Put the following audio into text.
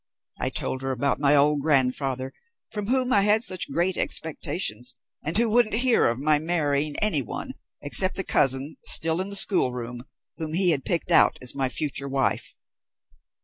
I told her about my old grandfather, from whom I had such great expectations, and who wouldn't hear of my marrying anyone except the cousin, still in the schoolroom, whom he had picked out as my future wife.